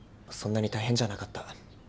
そんなに大変じゃなかった。